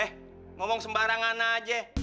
eh ngomong sembarangan aja